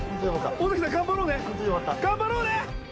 頑張ろうね！